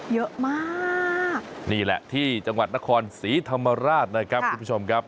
เยอะมากนี่แหละที่จังหวัดนครศรีธรรมราชนะครับคุณผู้ชมครับ